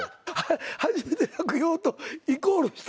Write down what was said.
初めて『落陽』とイコールした？